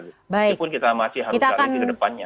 walaupun kita masih harus tahu di depannya